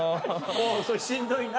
それしんどいな。